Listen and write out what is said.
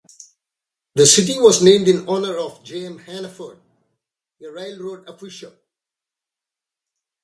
The city was named in honor of J. M. Hannaford, a railroad official.